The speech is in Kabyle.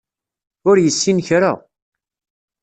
Ur yessin kra.